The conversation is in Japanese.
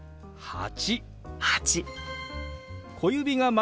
「８」。